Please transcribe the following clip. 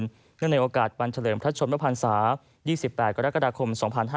เนื่องในโอกาสวันเฉลิมพระชมพระพันธ์ศาสตร์๒๘กรกฎาคม๒๕๖๐